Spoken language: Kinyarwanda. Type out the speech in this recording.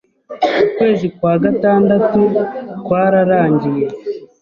Ukwezi kwa gatandatu kwararangiye